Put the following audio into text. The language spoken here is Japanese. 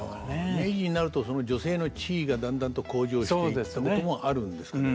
明治になるとその女性の地位がだんだんと向上していったこともあるんですかね。